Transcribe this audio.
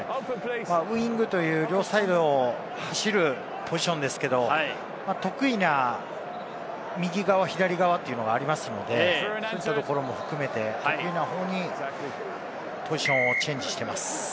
ウイングという両サイドを走るポジションですけれども、得意な右側、左側がありますので、そういったところも含めて得意な方にポジションをチェンジしています。